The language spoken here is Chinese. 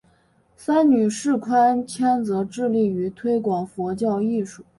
三女释宽谦则致力于推广佛教艺术。